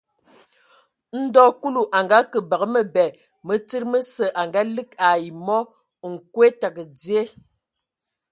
Ndɔ Kulu a ngake bǝgǝ mǝbɛ mǝ tsíd mǝsǝ a ngaligi ai mɔ : nkwe tǝgǝ dzye.